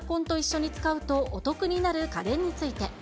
続いてはエアコンと一緒に使うとお得になる家電について。